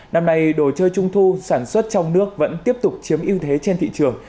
năm nay đồ chơi trung thu sản xuất trong nước vẫn tiếp tục chiếm ưu thế trên thị trường